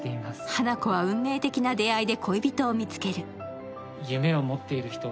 花子は運命的な出会いで恋人を見つける。